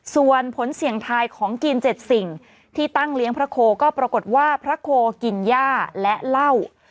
ส่วนผลเสี่ยงทายของกิน๗สิ่งที่ตั้งเลี้ยงพระโคก็ปรากฏว่าพระโคกินย่าและเหล้า